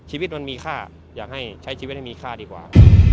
ชีวิตมันมีค่าอยากให้ใช้ชีวิตให้มีค่าดีกว่า